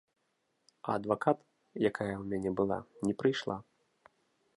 А адвакат, якая ў мяне была, не прыйшла.